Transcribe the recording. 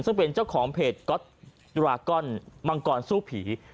ซึ่งเป็นเจ้าของเพจก๊อตดรากอนมังกรสู้ผี